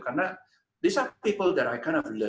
karena mereka adalah orang yang saya belajar